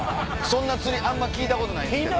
そんな釣りあんま聞いたことないですけど。